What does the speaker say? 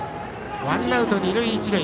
ワンアウト二塁一塁。